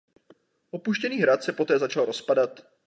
Opuštěný hrad se poté začal rozpadat.